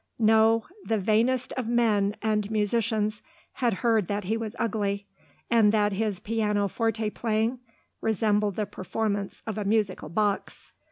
No: the vainest of men and musicians had heard that he was ugly, and that his pianoforte playing resembled the performance of a musical box.